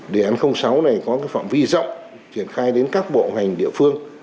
đề án sáu này có phạm vi rộng triển khai đến các bộ ngành địa phương